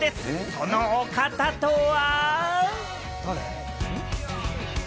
そのお方とは。